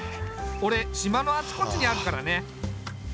俺島のあちこちにあるからね。